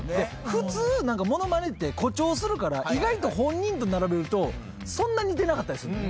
普通ものまねって誇張するから意外と本人と並べるとそんな似てなかったりするのよ。